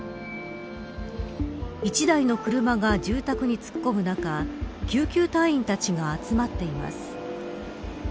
１台の車が住宅に突っ込む中救急隊員たちが集まっています。